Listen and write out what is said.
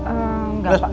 ehm enggak pak